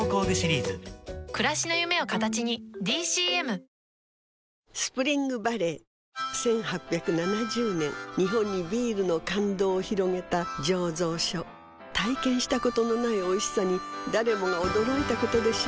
アメリカメディアによりますと、スプリングバレー１８７０年日本にビールの感動を広げた醸造所体験したことのないおいしさに誰もが驚いたことでしょう